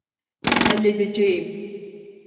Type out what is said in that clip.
Halledeceğim.